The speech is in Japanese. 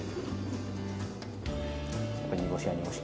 やっぱ煮干しは煮干し。